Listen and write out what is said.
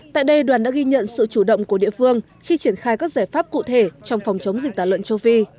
tại đây đoàn đã ghi nhận sự chủ động của địa phương khi triển khai các giải pháp cụ thể trong phòng chống dịch tả lợn châu phi